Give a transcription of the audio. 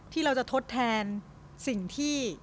ที่เราจะทดแทนสิ่งที่